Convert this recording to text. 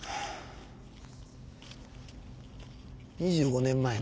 ２５年前な。